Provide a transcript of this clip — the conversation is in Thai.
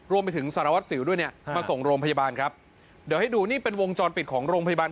รวมไปถึงสารวัตรสิวด้วยเนี่ยมาส่งโรงพยาบาลครับเดี๋ยวให้ดูนี่เป็นวงจรปิดของโรงพยาบาล